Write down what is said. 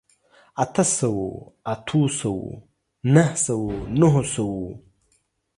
اته سوو، اتو سوو، نهه سوو، نهو سوو